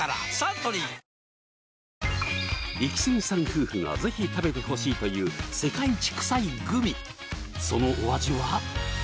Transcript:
夫婦がぜひ食べてほしいという世界一臭いグミそのお味は？